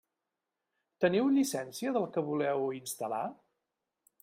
Teniu llicència del que voleu instal·lar?